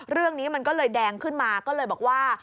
เรื่องนี้มันก็เลยแดงขึ้นมาก็เลยบอกว่า